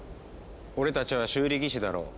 俺たちは修理技師だろう。